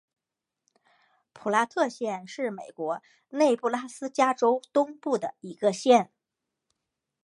普拉特县是美国内布拉斯加州东部的一个县。